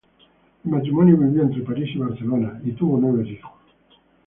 El matrimonio vivió entre París y Barcelona, tuvo nueve hijos.